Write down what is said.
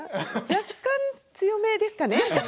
若干、強めでしょうかね